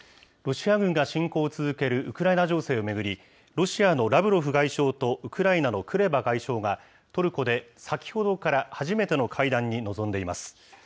ロシア軍が侵攻を続けるウクライナ情勢を巡り、ロシアのラブロフ外相とウクライナのクレバ外相が、トルコで先ほどから初めての会談に臨んでいます。